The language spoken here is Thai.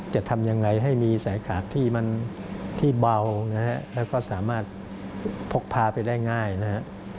จะทำยังไงให้มีสายกากที่มันที่เบานะฮะแล้วก็สามารถพกพาไปได้ง่ายนะฮะ